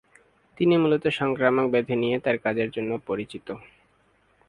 তিনি মূলত সংক্রামক ব্যাধি নিয়ে তার কাজের জন্য পরিচিত।